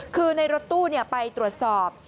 คือในรถตู้ไปตรวจสอบ